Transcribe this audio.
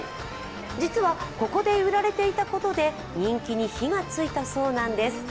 実はここで売られていたことで人気に火がついたそうなんです。